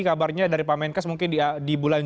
kabarnya dari pemenkes mungkin di bulan